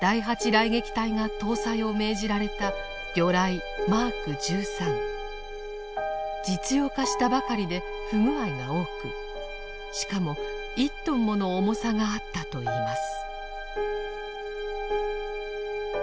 雷撃隊が搭載を命じられた実用化したばかりで不具合が多くしかも１トンもの重さがあったといいます。